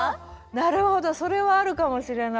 なるほどそれはあるかもしれない。